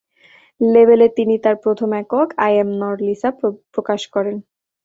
লেবেলে, তিনি তার প্রথম একক, আই অ্যাম নট লিসা প্রকাশ করেন।